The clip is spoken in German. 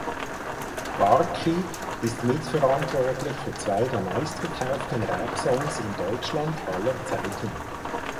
Barkey ist mitverantwortlich für zwei der meistverkauften Rapsongs in Deutschland aller Zeiten.